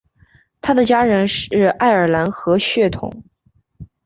他的家人是爱尔兰和血统。